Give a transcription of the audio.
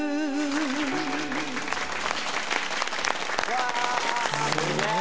わあすげえ！